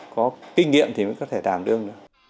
có kinh nghiệm thì mới có thể đảm đương